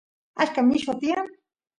achka milluwa tiyan